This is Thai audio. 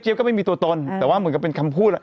ก็ไม่มีตัวตนแต่ว่าเหมือนกับเป็นคำพูด